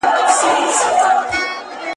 وروري به کوو، حساب تر منځ.